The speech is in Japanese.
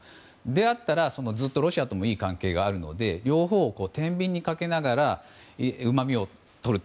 であったらずっとロシアともいい関係があるので両方を天秤にかけながらうまみを取る。